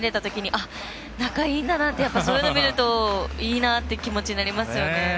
あ、仲いいんだなってそういうの見るといいなって気持ちになりますね。